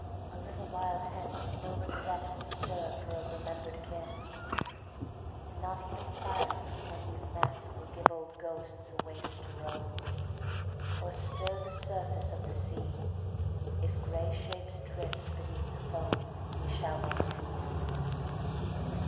A little while hence No regret Will stir for a remembered kiss— Not even silence, When we've met, Will give old ghosts a waste to roam, Or stir the surface of the sea... If gray shapes drift beneath the foam We shall not see."